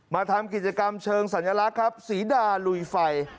มาทำกิจกรรมเชิงสัญลักษณ์ครับศรีดาลุยไฟ